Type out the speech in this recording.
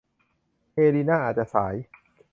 เอลินาอาจจะสาย